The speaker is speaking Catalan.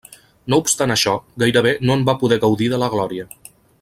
No obstant això, gairebé no en va poder gaudir de la glòria.